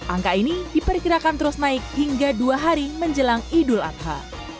angka ini diperkirakan terus naik hingga dua hari menjelang idul adha